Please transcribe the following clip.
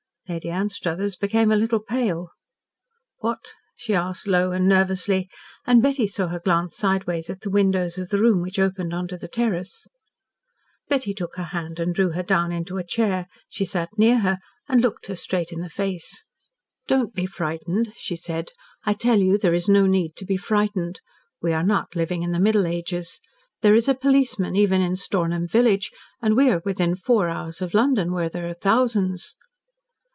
Lady Anstruthers became a little pale. "What?" she asked, low and nervously, and Betty saw her glance sideways at the windows of the room which opened on to the terrace. Betty took her hand and drew her down into a chair. She sat near her and looked her straight in the face. "Don't be frightened," she said. "I tell you there is no need to be frightened. We are not living in the Middle Ages. There is a policeman even in Stornham village, and we are within four hours of London, where there are thousands."